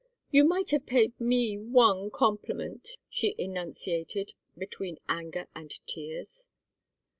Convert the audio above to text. "You might have paid me one compliment!" she enunciated, between anger and tears.